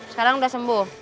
sekarang udah sembuh